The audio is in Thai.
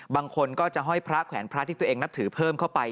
บางคนก็จะห้อยพระแขวนพระที่ตัวเองนับถือเพิ่มเข้าไป